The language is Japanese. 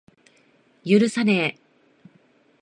許さねぇ。